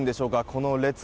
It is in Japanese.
この列。